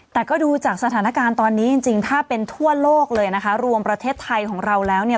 แต่ก็ดูจากสถานการณ์ตอนนี้จริงถ้าเป็นทั่วโลกเลยนะคะรวมประเทศไทยของเราแล้วเนี่ย